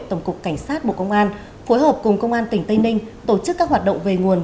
tổng cục cảnh sát bộ công an phối hợp cùng công an tỉnh tây ninh tổ chức các hoạt động về nguồn